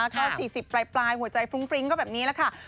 ก็สีสิปปลายหัวใจพรุ้งก็แบบนี้ละค่ะ